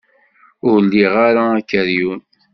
Ur liɣ ara akeryun.